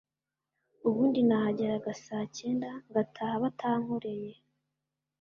ubundi nahageraga saa cyenda ngataha batankoreye